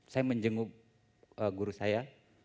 saya menjenguk guru saya